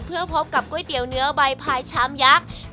เพื่อพบกับก๋วยเตี๋ยวเนื้อใบพายชามยักษ์